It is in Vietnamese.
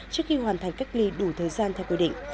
trước khi hoàn thành cách ly đủ thời gian theo quy định